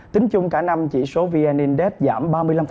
tính chung cả năm chỉ số vn index giảm ba mươi năm